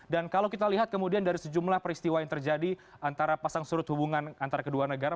dan kalau kita lihat kemudian dari sejumlah peristiwa yang terjadi antara pasang surut hubungan antara kedua negara